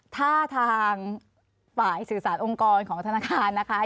ถ้าทางฝ่ายสื่อสารองค์กรของธนาคารนะคะ